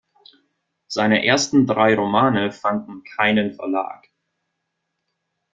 Seine ersten drei Romane fanden keinen Verlag.